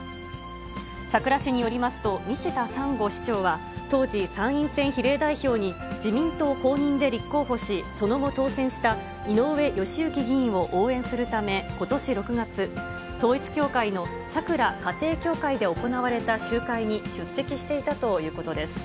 佐倉市によりますと、西田三十五市長は、当時、参院選比例代表に自民党公認で立候補し、その後当選した井上義行議員を応援するため、ことし６月、統一教会の佐倉家庭教会で行われた集会に出席していたということです。